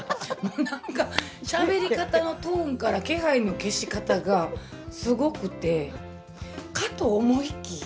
なんか、しゃべり方のトーンから気配の消し方がすごくて。